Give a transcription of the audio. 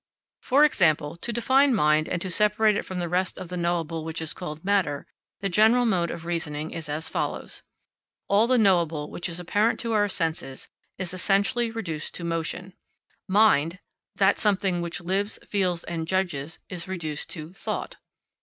For example, to define mind and to separate it from the rest of the knowable which is called matter, the general mode of reasoning is as follows: all the knowable which is apparent to our senses is essentially reduced to motion; "mind," that something which lives, feels, and judges, is reduced to "thought."